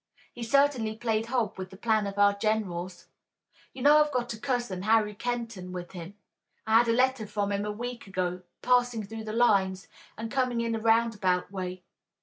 He certainly played hob with the plans of our generals. You know, I've got a cousin, Harry Kenton, with him. I had a letter from him a week ago passing through the lines, and coming in a round about way.